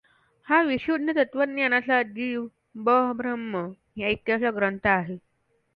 हा विशुद्ध तत्त्वज्ञानाचा, जीव ब ह्म ऐक्याचा ग्रंथ आहे.